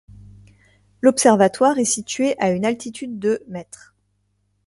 L'observatoire est situé à une altitude de mètres.